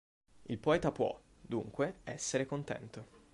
Il poeta può, dunque, essere contento.